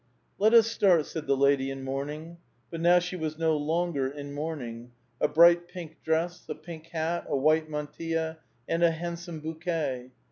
" Let us start," said the lady in mourning ; but now she was no longer in mourning ; a bright pink dress, a pink hat, a white mantilla, and a handsome bouquet.